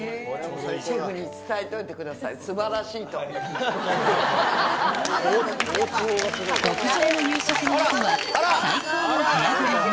シェフに伝えといてください、極上の夕食のあとは、最高の部屋風呂に。